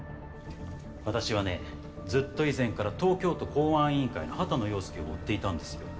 私はねずっと以前から東京都公安委員会の波多野陽介を追っていたんですよ。